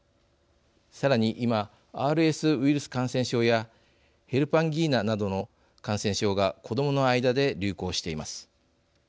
さらに、今ＲＳウイルス感染症やヘルパンギーナなどの感染症が子どもの間で流行しています。